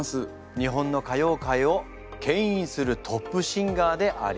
日本の歌謡界を牽引するトップシンガーであります。